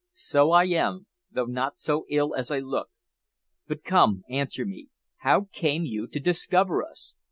"So I am, though not so ill as I look. But come, answer me. How came you to discover us?